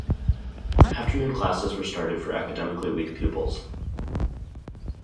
Afternoon classes were started for academically weak pupils.